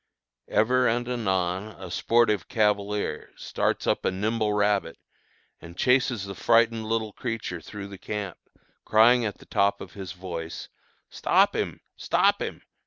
Ever and anon a sportive cavalier starts up a nimble rabbit and chases the frightened little creature through the camp, crying at the top of his voice, "stop him! stop him!